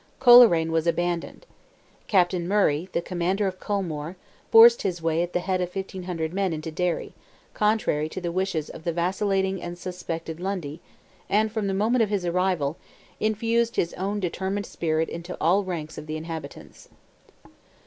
Coleraine was abandoned. Captain Murray, the commander of Culmore, forced his way at the head of 1,500 men into Derry, contrary to the wishes of the vacillating and suspected Lundy, and, from the moment of his arrival, infused his own determined spirit into all ranks of the inhabitants.